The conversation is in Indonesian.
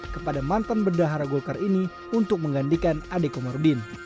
kepada mantan berdahara golkar ini untuk menggandikan adi komarudin